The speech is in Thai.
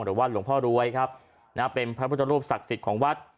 หรือว่าหลวงพ่อรวยครับนะเป็นพระพุทธรูปศักดิ์สิทธิ์ของวัด